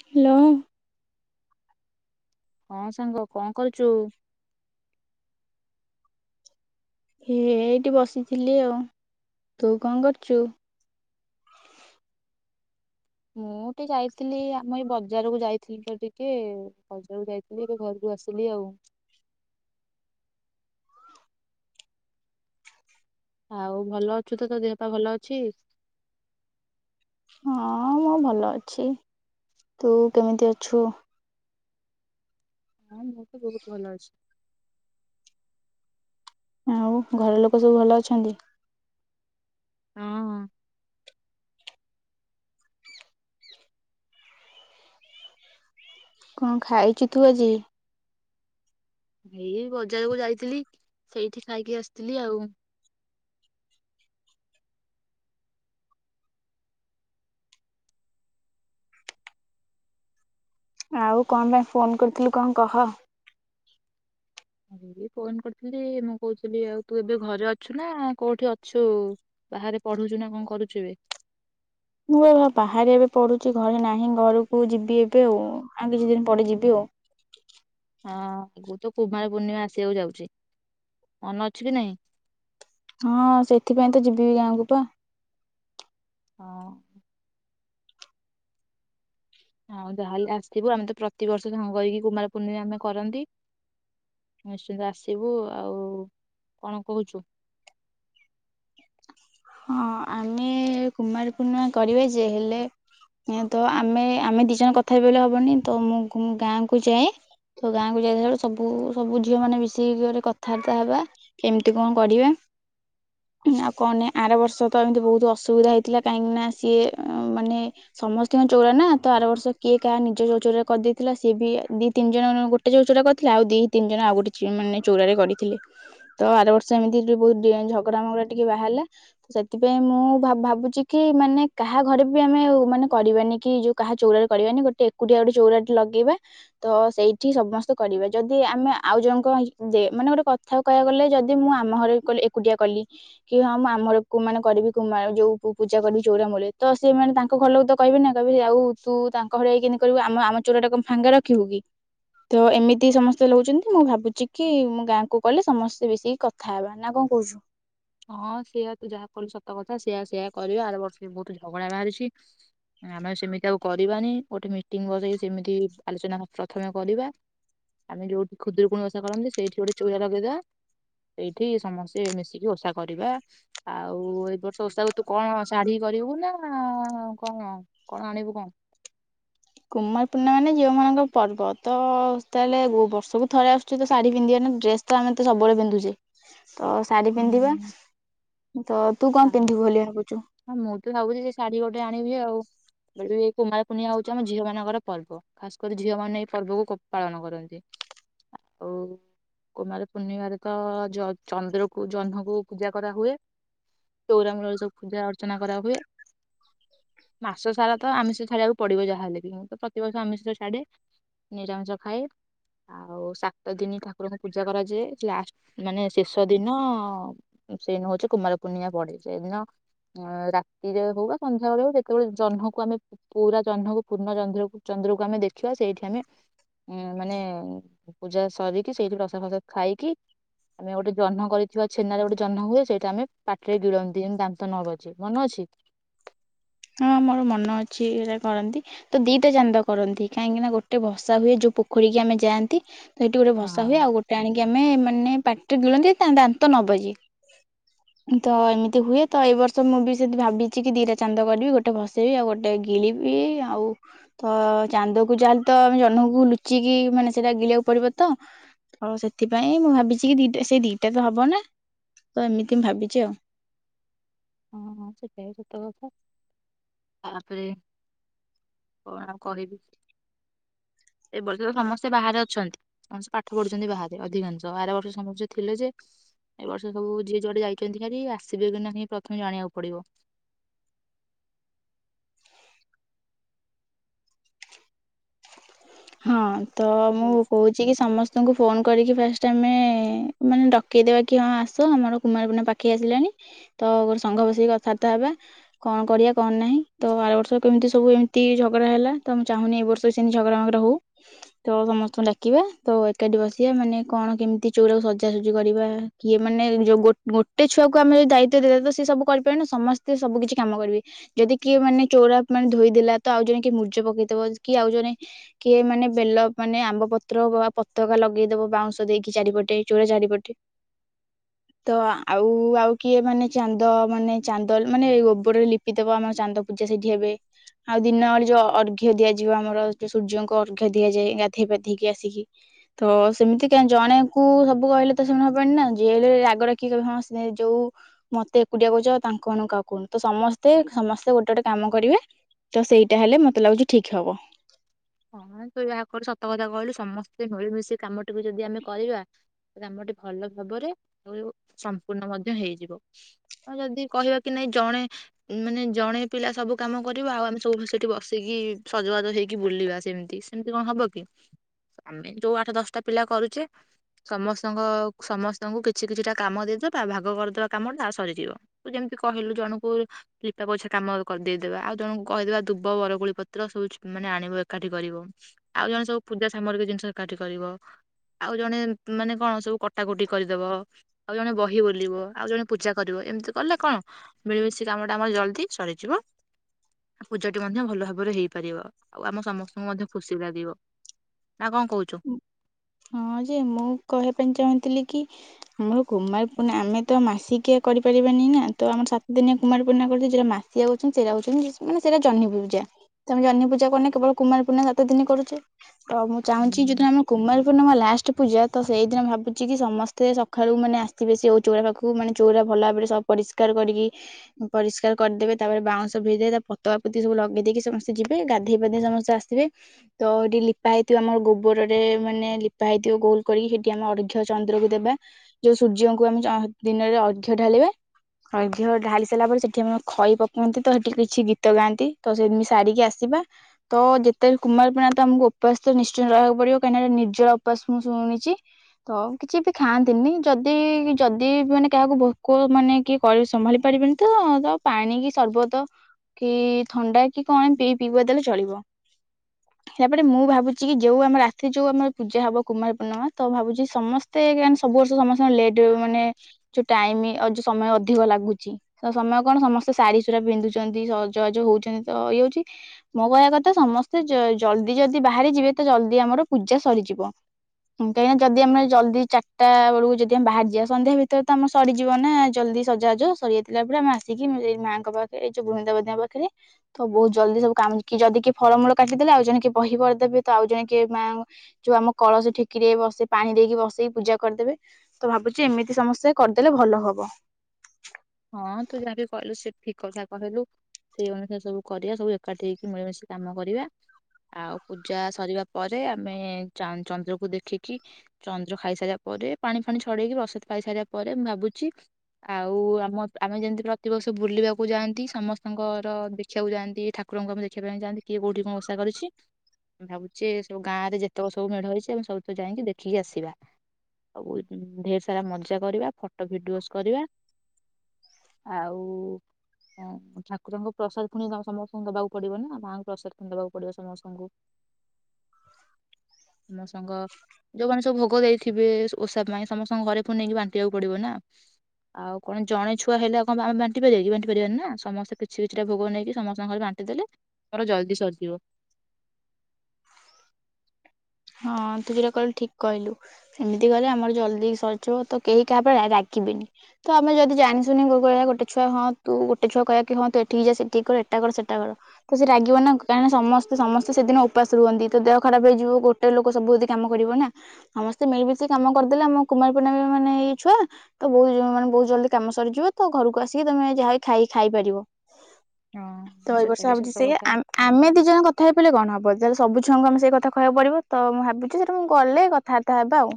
Hello. ହଁ ସାଙ୍ଗ କଣ କରୁଛୁ? ହେ ଏଇଠି ବସିଥିଲି ଆଉ ତୁ କଣ କରୁଛୁ? ମୁଁ ଟିକେ ଯାଇଥିଲି ଆମ ଏଇ ବଜାରକୁ ଯାଇଥିଲି ଟିକେ ବଜାରକୁ ଯାଇଥିଲି ଏବେ ଘରକୁ ଆସିଲି ଆଉ। ଆଉ ଭଲ ଅଛୁ ତ ତୋ ଦେହ ପାା ଭଲ ଅଛି। ହଁ ମୁଁ ଭଲ ଅଛି ତୁ କେମିତି ଅଛୁ। ହଁ ମୁଁ ତ ବହୁତ ଭଲ ଅଛି। ଆଉ ଘର ଲୋକ ସବୁ ଭଲ ଅଛନ୍ତି। ହଁ। କଣ ଖାଇଛୁ ତୁ ଆଜି। ଏଇ ବଜାରକୁ ଯାଇଥିଲି ସେଇଠି ଖାଇକି ଆସିଥିଲି ଆଉ। ଆଉ କଣ ପାଇଁ ଫୋନ କରିଥିଲୁ କଣ କହ? ଫୋନ କରିଥିଲି ମୁଁ କହୁଥିଲି ଆଉ ତୁ ଏବେ ଘରେ ଅଛୁ ନା କୋଉଠି ଅଛୁ ବାହାରେ ପଢୁଛୁ ନା କଣ କରୁଛୁ ଏବେ? ମୁଁ ବାହାରେ ଏବେ ପଢୁଛି ଘରେ ନାହିଁ ଘରକୁ ଯିବି ଏବେ ଆଉ ଆଉ କିଛି ଦିନ ପରେ ଯିବି ଆଉ। ହଁ ଆଗ ତ କୁମାର ପୂର୍ଣ୍ଣିମା ଆସିବାକୁ ଯାଉଛି ମନ ଅଛି କି ନହିଁ? ହଁ ସେଥିପାଇଁ ତ ଯିବିି ଗାଁକୁ ପା। ହଁ ଆଉ ଯହେଲେ ଆସିବୁ ଆମେ ତ ପ୍ରତିବର୍ଷ ସାଙ୍ଗ କରିକି କୁମାର ପୂର୍ଣ୍ଣିମମା ଆମେ କରନ୍ତି ନିଶ୍ଚନ୍ତ ଆସିବୁ ଆଉ କଣ କହୁଛୁ? ହଁ ଆମେ କୁମାରୀ ପୂର୍ଣ୍ଣିମା କରେ ଯେ ହେଲେ ତ ଆମେ ଆମେ ଦିଜଣ କଥା ହେ ହବନି ତ ମୁଁ ଗାଁକୁ ଯାଏ ତ ଗାଁକୁ ଯାଇ ବଳେ ସବୁ ସବୁ ଝିଅ ମାନେ ମିଶିକିରେ କଥାବାର୍ତ୍ତା ହେବା କେମିତି କଣ କରିବା ଆଉ କଣ ଆର ବର୍ଷ ତ ଏମିତି ବହୁତ ଅସୁବିଧା ହେଇଥିଲା କାହିଁକିନା ସିଏ ମାନେ ସମସ୍ତଙ୍କ ଚଉରା ନା ତ ଆର ବର୍ଷ କିଏ କାହା ନିଜ ଚଉ ଚଉରାରେ କରିଦେଇଥିଲା ସିଏ ବି ଦୁଇ ତିନି ଜଣ ଗୋଟେ ଚଉ ଚଉରା କରିଥିଲା ଆଉ ଦୁଇ ତିନି ଜଣ ଆଉ ଗୋଟେ ମାନେ ଚଉରାରେ କରିଥିଲେ ତ ଆର ବର୍ଷ ଏମିତି ବହୁତ ଝଗଡ଼ା ମଗଡ଼ା ଟିକିଏ ବାହାରିଲା। ସେଥିପାଇଁ ମୁଁ ଭାବୁଛି କି ମାନେ କାହା ଘରେ ବି ଆମେ ମାନେ କରିବାନି କି ଯୋଉ କାହା ଚଉରାରେ କରିବାନି ଗୋଟେ ଏକୁଟିଆ ଗୋଟେ ଚଉରା ଲଗେଇବା ତ ସେଇଠି ସମସ୍ତେ କରିବା ଯଦି ଆମେ ଆଉ ଜଣଙ୍କ ମାନେ ଗୋଟେ କଥା କହିବାକୁ ଗଲେ ଯଦି ମୁଁ ଆମ ଘରେ ଏକୁଟିଆ କଲି କି ହଁ ମୁଁ ଆମର କୋଉମାନେ କରିବେ କୁମାର ଯୋଉ ମୁଁ ପୂଜା କରିବି ଚଉରା ମୁଲେ ତ ସେମାନେ ତାଙ୍କ ଘରଲୋକ ତ କହିବେ ନା କହିବେ ଆଉ ତୁ ତାଙ୍କ ଭଳିଆ ହେଇକିନି କରିବୁ ଆମ ଆମ ଚଉରା ଟା କଣ ଫାଙ୍ଗା ରଖିବୁ କି? ତ ଏମିତି ସମସ୍ତେ ଲଉଛନ୍ତି ମୁଁ ଭାବୁଛି କି ମୁଁ ଗାଁକୁ କଲେ ସମସ୍ତେ ମିଶିକି କଥା ହେବା ନା କଣ କହୁଛୁ? ହଁ ସେଆ ତ ଯାହା କହିଲୁ ସତ କଥା ସେଇଆ ସେୟା କରିବା ଆର ବର୍ଷ ବି ବହୁତ ଝଗଡ଼ା ବାହାରିଛି ଆମେ ସେମିତି ଆଉ କରିବାନି ଗୋଟେ ମିଟିଂ ବସେଇକି ସେମିତି ଆଲୋଚନା ପ୍ରଥମେ କରିବା ଆମେ ଯୋଉଠି ଖୁଦୁରୁକୁଣି ଓଷା କରନ୍ତି ସେଇଠି ଗୋଟେ ଚଉରା ଲଗେଇଦବା ସେଇଠି ସମସ୍ତେ ମିଶିକି ଓଷା କରିବା ଆଉ ଏଇ ବର୍ଷ ଓଷାକୁ ତୁ କଣ ଶାଢୀ କରିବୁ ନା କଣ କଣ ଆଣିବୁ କଣ? କୁମାର ପୂର୍ଣ୍ଣିମା ମାନେ ଝିଅମାନଙ୍କ ପର୍ବ ତ ତାହେଲେ ବର୍ଷକୁ ଥରେ ଆସୁଛି ତ ଶାଢୀ ପିନ୍ଧିବା ନା ଡ୍ରେସ ତ ଆମେ ତ ସବୁବେଳେ ପିନ୍ଧୁଛେ ତ ଶାଢୀ ପିନ୍ଧିବା ହୁଁ ତ ତୁ କଣ ତା- ପିନ୍ଧିବୁ ବୋଲି ଭାବୁଛୁ? ହଁ ମୁଁ ତ ଭାବୁଛି ସେଇ ଶାଢୀ ଗୋଟେ ଆଣିବି ଆଉ କୁମାର ପୂର୍ଣ୍ଣିମା ହଉଛି ଆମ ଝିଅ ମାନଙ୍କର ପର୍ବ ଖାସ କରି ଝିଅ ମାନେ ଏଇ ପର୍ବକୁ ପାଳନ କରନ୍ତି ଆଉ କୁମାର ପୂର୍ଣ୍ଣିମାରେ ତ ଚନ୍ଦ୍ରକୁ ଜହ୍ନକୁ ପୂଜା କରା ହୁଏ ଚଉରା ମୂଳରେ ସବୁ ପୂଜା ଅର୍ଚ୍ଚନା କରା ହୁଏ ମାସ ସାରା ତ ଆମିଷ ଛାଡିବାକୁ ପଡିବ ଯାହାହେଲେ ବି ମୁଁ ତ ପ୍ରତିବର୍ଷ ଆମିଷ ଛାଡେ ନିରାମିଷ ଖାଏ ଆଉ ସାତ ଦିନ ଠାକୁରଙ୍କୁ ପୂଜା କରାଯାଏ ଲାଷ୍ଟ ମାନେ ଶେଷ ଦିନ ସେଇଦିନ ହଉଛି କୁମାର ପୂର୍ଣ୍ଣିମା ପଡେ ସେଇଦିନ ଅ ରାତିରେ ହଉ ବା ସନ୍ଧ୍ୟାବେେଳେ ହଉ ଯେତେବେଳେ ଜହ୍ନକୁ ଆମେ ପୁରା ଜହ୍ନକୁ ପୂର୍ଣ୍ଣ ଚନ୍ଦ୍ରକୁ ଚନ୍ଦ୍ରକୁ ଆମେ ଦେଖିବା ସେଇଠି ଆମେ ଉ ମାନେ ପୂଜା ସରିକି ସେଇଠି ପ୍ରସାଦ ଫ୍ରସାଦ ଖାଇକି ଆମେ ଗୋଟେ ଜହ୍ନ କରିଥିବା ଛେନାରେ ଗୋଟେ ଜହ୍ନ ହୁଏ ସେଇଟା ଆମେ ପାଟିରେ ଗିଳନ୍ତି ଯେମତି ଦାନ୍ତ ନ ବାଜିବ ମନେ ଅଛି। ହଁ ମୋର ମନ ଅଛି ଏଇଟା କରନ୍ତି ତ ଦିଟା ଚାନ୍ଦ କରନ୍ତି କାହିଁକି ନା ଗୋଟେ ଭସା ହୁଏ ଯୋଉ ପୋଖରୀ କି ଆମେ ଯାଆନ୍ତି। ସେଇଠି ଗୋଟେ ଭସା ହୁଏ ଆଉ ଗୋଟେ ଆଣିକି ଆମେ ଆମେ ମାନେ ପାଟିରେ ଗିଳନ୍ତି ତ ଦାନ୍ତ ନ ବଜେଇ ତ ଏମିତି ହୁଏ ତ ଏଇ ବର୍ଷ ମୁଁ ବି ସେମିତି ଭାବିଛି କି ଦିଟା ଚାନ୍ଦ ଚାନ୍ଦ କରିବି ଗୋଟେ ଭସେଇବି ଆଉ ଗୋଟେ ଗିଳିବି ଆଉ ତ ଚାନ୍ଦକୁ ଯାହେଲେ ତ ଆମେ ଜହ୍ନକୁ ଲୁଚେଇକି ମାନେ ସେଟା ଗିଳିବାକୁ ପଡିବ ତ ତ ସେଥିପାଇଁ ମୁଁ ଭାବିଛି କି ଦିଟା ସେଇ ଦିଟା ତ ହବ ନା ତ ଏମିତି ମୁଁ ଭାବିଛି ଆଉ। ହଁ ହଁ ସେଟା ବି ସତ କଥା ତାପରେ କଣ ଆଉ କରିବି ଏ ବର୍ଷ ତ ସମସ୍ତେ ବାହାରେ ଅଛନ୍ତି ସମସ୍ତେ ପାଠ ପଢୁଛନ୍ତି ବାହାରେ ଅଧିକାଂଶ ଆର ବର୍ଷ ସମସ୍ତେ ଥିଲେ ଯେ ଏ ବର୍ଷ ସବୁ ଯିଏ ଯୁଆଡେ ଯାଇଛନ୍ତି ଖାଲି ଆସିବେ ବି ନାହିଁ। ଜାଣିବାକୁ ପଡିବ। ହଁ ତ କଣ ମୁଁ କହୁଛୁ? କହୁଛି କି ସମସ୍ତଙ୍କୁ ଫୋନ କରିକି ଫାଷ୍ଟ ଆମେ ମାନେ ଡକେଇଦବା କି ହଁ ଆସ ଆମର କୁମାର ପୂର୍ଣ୍ଣିମା ପାଖେଇ ଆସିଲାଣି ତ ଗୋଟେ ସଂଘ ବସେଇକି କଥାବାର୍ତ୍ତା ହେବା କଣ କରିବା କଣ ନାହିଁ ତ ଆର ବର୍ଷ କେମିତି ସବୁ ଏମିତି ଝଗଡା ହେଲା ତ ମୁଁ ଚାହୁଁନି ଏ ବର୍ଷ ସେମିତି ଝଗଡ଼ା ହଉ ତ ସମସ୍ତଙ୍କୁ ଡାକିବା ତ ଏକାଠି ବସିବା ମାନେ କଣ କେମିତି ଚଉରାକୁ ସଜାସଜି କରିବା କିଏ ମାନେ ଯୋଉ ଗୋଟେ ଛୁଆକୁ ଆମେ ଯଦି ଦାୟିତ୍ୱ ଦେଇଦିଅନ୍ତେ ତ ସେ ସବୁ କରିପାରିବନି ସମସ୍ତେ ସବୁ କିଛି କାମ କରିବେ ଯଦି କିଏ ମାନେ ଚଉରା ମାନେ ଧୋଇଦେଲା ତ ଆଉ ଜଣେ କି ମୂର୍ଜ ପକେଇଦବ କି ଆଉ ଜଣେ କିଏ ମାନେ ବେଲ ମାନେ ଆମ୍ବ ପତ୍ର ବା ପତାକା ଲଗେଇଦବ ବାଉଁଶ ଦେଇକି ଚାରିପଟେ ଚଉରା ଚାରିପଟେ ତ ଆଉ ଆଉ କିଏ ମାନେ ଚାନ୍ଦ ମାନେ ଚାନ୍ଦ ମାନେ ଗୋବରରେ ଲିପିଦବ ଆମର ଚାନ୍ଦ ପୂଜା ସେଇଠି ହେବେ ଆଉ ଦିନ ଓଳି ଯୋଉ ଅର୍ଘ ଦିଆଯିବ ଆମର ସୂର୍ଯ୍ୟଙ୍କୁ ଅର୍ଘ ଦିଆଯାଏ ଗାଧେଇ ପାଧେଇକି ଆସିକି ତ ସେମିତି କାଇଁ ଜଣେଙ୍କୁ ସବୁ କହିଲେ ତ ସେ ହବନି ନା ଯିଏ ହେଲେବି ଆଗ ଡ଼ାକିକି କହିବ ହଁ ସିଏ ଯୋଉ ମତେ ଏକୁଟିଆ କରୁଛ ତାଙ୍କ ମାନଙ୍କୁ କାହାକୁ କହୁନୁ ତ ସମସ୍ତେ ସମସ୍ତେ ଗୋଟେ ଗୋଟେ କାମ କରିବେ ତ ସେଇଟା ହେଲେ ମତେ ଲାଗୁଛି ଠିକ ହବ। ହଁ ତୁ ଯାହା କହିଲୁ ସତ କଥା କହିଲୁ ସମସ୍ତେ ମିଳିମିଶି କାମଟିକୁ ଯଦି ଆମେ କରିବା କାମଟି ଭଲ ଭାବରେ ସମ୍ପୂର୍ଣ୍ଣ ମଧ୍ୟ ହେଇଯିବ ଆଉ ଯଦି କହିବା କି ନାଇଁ ଜଣେ ମାନେ ଜଣେ ପିଲା ସବୁ କାମ କରିବ ଆଉ ଆମେ ସବୁ ସେଇଠି ବସିକି ସଜବାଜ ହେଇକି ବୁଲିବା ସେମିତି ସେମିତି କଣ ହବ କି ଆମେ ଯୋଉ ଆଠ ଦଶଟା ପିଲା କରୁଛେ ସମସ୍ତଙ୍କ ସମସ୍ତଙ୍କୁ କିଛି କିଛିଟା କାମ ଦେଇଦବା ଭାଗ କରିଦବା କାମ ଟା ସରିଯିବ ତ ଯେମିତି କହିଲୁ ଜଣଙ୍କୁ ଲିପା ପୋଛା କାମ କରି ଦେଇଦବା ଆଉ ଜଣଙ୍କୁ କହିଦେବା ଦୁବ ବରକୋଳି ପତ୍ର ସବୁ ମାନେ ଆଣିବ ଏକାଠି କରିବ ଆଉ ଜଣେ ସବୁ ପୂଜା ସାମଗ୍ରୀ ଜିନିଷ ଏକାଠି କରିବ ଆଉ ଜଣେ ମାନେ କଣ ସବୁ କଟାକଟି କରିଦେବ ଆଉ ଜଣେ ବହି ବୋଲିବ ଆଉ ଜଣେ ପୂଜା କରିବ ଏମିତି କଲେ କଣ ମିଳିମିଶି କାମଟା ଆମର ଜଲ୍ଦି ସରିଯିବ ପୂଜାଟି ମଧ୍ୟ ଭଲ ଭାବରେ ହେଇପାରିବ ଆଉ ଆମ ସମସ୍ତଙ୍କୁ ମଧ୍ୟ ଖୁସି ଲାଗିବ ନା କଣ କହୁଛୁ? ହଁ ଯେ ମୁଁ କହିବା ପାଇଁ ଚାହୁଁଥିଲି କି ଆମର କୁମାର ପୂର୍ଣ୍ଣିମା ଆମେ ତ ମାସିକିଆ କରିପାରିବାନି ନା ତ ଆମର ସାତ ଦିନି କୁମାର ପୂର୍ଣିମା କରୁଛେ ଯୋଉଟା ମାସିକିଆ କରୁଛନ୍ତି ସେଇଟା ହଉଛନ୍ତି ମାନେ ସେଟା ଜହ୍ନି ପୂଜା ତମେ ଜହ୍ନି ପୂଜା କରୁନ କେବଳ କୁମାର ପୂର୍ଣ୍ଣିମା ସାତ ଦିନ କରୁଛେ ହଉ ମୁଁ ଚାହୁଁଛି ହୁଁ ଯୋଉଦିନ ଆମର କୁମାର ଲାଷ୍ଟ ପୂଜା ତ ସେଇଦିନ ଭାବୁଛି କି ସମସ୍ତେ ସକାଳୁ ମାନେ ଆସିବେ ସେଉ ଚଉରା ପାଖକୁ ମାନେ ଚଉରା ଭଲ ଭାବରେ ସ ପରିଷ୍କାର କରିକି ପରିଷ୍କାର କରିଦେବେ ତାପରେ ବାଉଁଶ ଭିଦବେ ତା ପତକା ପୋତି ସବୁ ଲଗେଇ ଦେଇକି ସମସ୍ତେ ଯିବେ ଗାଧେଇ ପାଧେଇ ସମସ୍ତେ ଆସିବେ ତ ଏଇଠି ଲିପା ହେଇଥିବ ଆମର ଗୋବରରେ ମାନେ ଲିପା ହେଇଥିବ ଗୋଲ କରିକି ସେଠି ଆମେ ଅର୍ଘ ଚନ୍ଦ୍ରକୁ ଦେବା ଯୋଉ ସୂର୍ଯ୍ୟଙ୍କୁ ଆମେ ଦିନରେ ଅର୍ଘ ଢାଳିବା ଅର୍ଘ ଢାଳି ସାରିଲା ପରେ ସେଠି ଆମ ଖଇ ପକାନ୍ତି ତ ସେଠି କିଛି ଗୀତ ଗାଆନ୍ତି ତ ସେମତି ସାରିକି ଆସିବା ତ ଯେତେବେଳେ କୁମାର ପୂର୍ଣ୍ଣିମା ତ ଆମକୁ ଉପାସ ତ ନିଶ୍ଚୟ ରହିବାକୁ ପଡିବ କାଇଁନା ନିର୍ଜଳା ଉପାସ ମୁଁ ଶୁଣିଛି ତ କିଛି ବି ଖାଆନ୍ତିନି ଯଦି ଯଦି ମାନେ କାହାକୁ ଭୋକ ମାନେ କିଏ ସମ୍ଭାଳି ପାରିବେନି ତ ପାଣି କି ସର୍ବତ କି ଥଣ୍ଡା କି କଣ ପିଇ ପିଇବା ଦେଲେ ଚଳିବ ତାପରେ ମୁଁ ଭାବୁଛି କି ଯୋଉ ଆମ ରାତିରେ ଯୋଉ ଆମର ପୂଜା ହବ କୁମାର ପୂର୍ଣ୍ଣିମା ତ ଭାବୁଛି ସମସ୍ତେ ସବୁ ବର୍ଷ ସମସ୍ତେ ଲେଟ୍ ମାନେ ଯୋଉ ଟାଇମ ଯଉ ସମୟ ଅଧିକ ଲାଗୁଛି ତ ସମୟ କଣ ସମସ୍ତେ ସାଢୀ ସୁଢା ପିନ୍ଧୁଛନ୍ତି ସଜଵାଜ ହଉଛନ୍ତି ତ ଇଏ ହଉଛି ମୋ କହିବା କଥା ସମସ୍ତେ ଜଲଦି ଯଦି ବାହାରି ଯିବେ ତ ଜଲଦି ଆମର ପୂଜା ସରିଯିବ ଯିବ କାହିଁକିନା ଯଦି ଆମେ ଜଲଦି ଚାରିଟା ବେଳକୁ ଯଦି ଆମେ ବାହାରଯିବା ସନ୍ଧ୍ୟା ଭିତରେ ତ ଆମ ସରିଯିବ ନା ଜଲଦି ସଜଵାଜ ସରି ଯାଇଥିଲା ପରେ ଆମେ ଆସିକି ଏଇ ମାଆଙ୍କ ପାଖରେ ଏଇ ଯୋଉ ବୃନ୍ଦାବତୀଙ୍କ ପାଖରେ ତ ବହୁତ ଜଲଦି ସବୁ କାମ ଯଦି କି ଫଳମୂଳ କାଟିଦେଲେ ଆଉ ଜଣେ କି ବହି କରିଦେବେ ତ ଆଉ ଜଣେ କି ମାଆ ଯୋଉ ଆମ କଳସ ଠିକିରେ ବସେଇ ପାଣି ଦେଇକି ବସେଇକି ପୂଜା କରିଦେବେ ତ ଭାବୁଛି ଏମିତି ସମସ୍ତେ କରିଦେଲେ ଭଲ ହବ। ଏକଥା କହିଲୁ ସେଇ ଅନୁସାରେ ସବୁ କରିବା ସବୁ ଏକାଠି ହେଇକି ମିଳିମିଶି କାମ କରିବା ଆଉ ପୂଜା ସରିବା ପରେ ଆମେ ଚନ୍ଦ୍ରକୁ ଦେଖିକି ଚନ୍ଦ୍ର ଖାଇସାରିବା ପରେ ପାଣି ଫାଣି ଛଡେଇକି ବସତ ଖାଇସାରିବା ପରେ ମୁଁ ଭାବୁଛି ଆଉ ଆମେ ଯେମିତି ପ୍ରତିବର୍ଷ ବୁଲିବାକୁ ଯାଆନ୍ତି ସମସ୍ତଙ୍କର ଦେଖିବାକୁ ଯାଆନ୍ତି ଠାକୁରଙ୍କୁ ଆମେ ଦେଖିବା ପାଇଁ ଯାଆନ୍ତି କିଏ କେଉଁଠି କଣ ଓଷା କରିୁଛି ଭାବୁଛେ ସବୁ ଗାଁରେ ଯେତେକ ସବୁ ମେଢ଼ ହେଇଛି ଆମେ ସବୁତକ ଯାଇକି ଦେଖିକି ଆସିବା ସବୁ ଢେରସାରା ମଜା କରିବା ଫଟୋ ଭିଡ଼ିଓସ୍ କରିବା। ଆଉ ଠାକୁରଙ୍କୁ ପ୍ରସାଦ ପୁଣି ସମସ୍ତଙ୍କୁ ଦବାକୁ ପଡିବ ନା ମାଙ୍କୁ ପ୍ରସାଦ ପୁଣି ଦବାକୁ ପଡିବ ସମସ୍ତଙ୍କୁ ସମସ୍ତଙ୍କ ଯୋଉମାନେ ସବୁ ଭୋଗ ଦେଇଥିବେ ଓଷା ପାଇଁ ସମସ୍ତଙ୍କ ଘରେ ଫୁଣିନେଇକି ବାଣ୍ଟିବାକୁ ପଡିବ ନା ଆଉ କଣ ଜଣେ ଛୁଆ ହେଲେ ଆ କଣ ଆମେ ବାଣ୍ଟି ପାର କି ବାଣ୍ଟି ପାରିବାନି ନା ସମସ୍ତେ କିଛି କିଛିଟା ଭୋଗ ନେଇକି ସମସ୍ତଙ୍କ ଘରେ ବାଣ୍ଟି ଦେଲେ ମୋର ଜଲଦି ସରିଯିବ ହଁ ତୁ ସେଟା କହିଲୁ ଠିକ କହିଲୁ ଏମିତି କଲେ ଆମର ଜଲଦି ସରଯିବ ତ କେହି କା ଉପରେ ରା ରାଗ ଖିବିନି ତ ଆମେ ଯଦି ଜାଣିଶୁଣି ମୋ କହିବା ଗୋଟେ ଛୁଆ ହଁ ତୁ ଗୋଟେ ଛୁଆ କହିବା କି ହଁ ତୁ ଏଠିକି ଯା ସେଠିକ କର ଏଟା କର ସେଟା କର ତ ସେ ରାଗିବ ନା କାରଣ ସମସ୍ତ ସମସ୍ତେ ସେଦିନ ଉପାସ ରୁହନ୍ତି ତ ଦେହ ଖରାପ ହେଇଯିବ କୋ ଗୋଟେ ଲୋକ ସବୁ ଯଦି କାମ କରିବ ନା ସମସ୍ତେ ମିଳିିମିଶିକି କାମ କରିଦେଲେ ଆମ କୁମାର ପୁର୍ଣିମା ମାନେ ଏଇ ଛୁଆ ତ ବହୁତ ମାନେ ବହୁତ ଜଲ୍ଦି କାମ ସରିଯିବ ତ ଘରକୁ ଆସିକି ତମେ ଯାହା ହି ଖାଇ ଖାଇପାରିବ। ତ ହଁ ଏଇ ସେଟା ବର୍ଷ ବି ଭାବୁଛି ସତ ସେ କଥା ଆ ଆମେ ଦି ଜଣଙ୍କ କଥା ହେଇ ପଇଲେ କଣ ହବ ହୋଉ ତାହେଲେ ସବୁ ଛୁଆଙ୍କୁ ଆମେ ସେଇ କଥା କହିବାକୁ ପଡିବ। ତ ମୁଁ ଭାବୁଚି ସେଟା ମୁଁ ଗଲେ କଥାବାର୍ତ୍ତା ହେବା ଆଉ।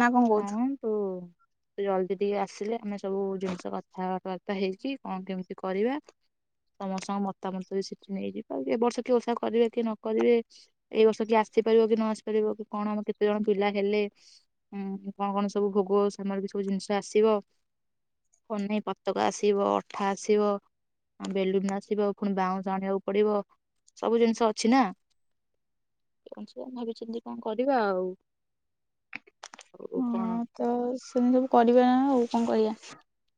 ନା କଣ କହୁଛୁ? ହଁ ତୁ ଜଲଦି ଟିକେ ଆସିଲେ ଆମେ ସବୁ ଜିନିଷ କଥା ବାର୍ତ୍ତା ହେଇକି କଣ କେମିତି କରିବା ସମସ୍ତଙ୍କ ମତାମତ ବି ସେଠି ନେଇଯିବା କି ଏ ବର୍ଷ କି ଓଷା କରିବେ କି ନ କରିବେ ଏଇ ବର୍ଷ କି ଆସିପାରିବ କି ନ ଆସିପାରିବ କି କଣ ଆମ କେତେ ଜଣ ପିଲା ହେଲେ ହୁଁ କଣ କଣ ସବୁ ଭୋଗ ସାମଗ୍ରୀ ସବୁ ଜିନିଷ ଆସିବ କଣ ନାହିଁ ପତକା ଆସିବ, ଅଠା ଆସିବ, ବେଲୁନ ଆସିବ, ପୁଣି ବାଉଁଶ ଆଣିବାକୁ ପଡିବ ସବୁ ଜିନିଷ ଅଛି ନା କଣ ଭାବିଚିନ୍ତି କଣ କରିବା ଆଉ। ଆଉ କଣ ହଁ ତ ସେମିତି ସବୁ କରିବା ନା ଆଉ କଣ କରିବା?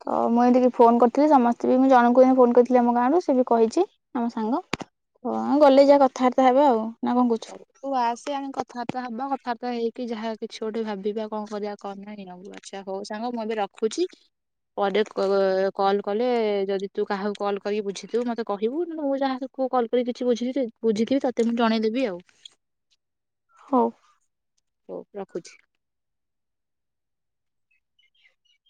ତ ମୁଁ ଏମିତିକେ ଫୋନ କରିଥିଲି ସମସ୍ତେ ବି ମୁଁ ଜଣଙ୍କୁ ବି ଫୋନ କରିଥିଲି ଆମ ଗାଁରୁ ସିଏ ବି କହିଚି ଆମ ସାଙ୍ଗ। ତ ଗଲେ ଯାହା କଥାବାର୍ତ୍ତା ହବା ଆଉ। ନା କଣ କହୁଛୁ? ହୋଉ ତୁ ଆସେ ଆମେ କଥା ତା ହବା କଥାବାର୍ତ୍ତା ହେକି ଯାହା କିଛି ଗୋଟେ ଭାବିବା କଣ କରିବା କଣ ନାହିଁ ଆଉ। ଆଚ୍ଛା ହୋଉ ସାଙ୍ଗ ମୁଁ ଏବେ ରଖୁଚି ପରେ କ କଲ୍ କଲେ ଯଦି ତୁ କାହାକୁ କଲ୍ କରିକି ବୁଝିଥିବୁ ମତେ କହିବୁ ମୁଁ ଯାହାକୁୁ କଲ୍ କରିକି କିଛି ବୁଝିବି ବୁଝିଥିବି ତତେ ମୁଁ ଜଣେଇଦେବି ଆଉ। ହୋଉ। ହୋଉ ରଖୁଛି।